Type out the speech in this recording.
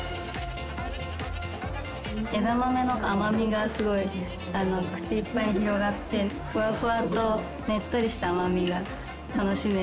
枝豆の甘味がすごい口いっぱいに広がってふわふわとねっとりした甘味が楽しめる。